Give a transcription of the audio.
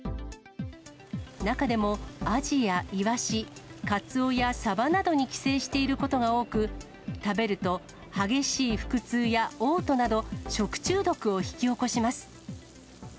中でもアジやイワシ、カツオやサバなどに寄生していることが多く、食べると激しい腹痛やおう吐など、食中毒を引き起こします。